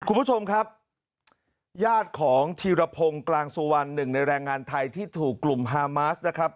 คุณผู้ชมครับญาติของธีรพงศ์กลางสุวรรณหนึ่งในแรงงานไทยที่ถูกกลุ่มฮามาสนะครับ